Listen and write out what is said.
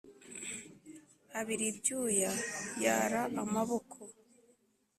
abira ibyuya yara amaboko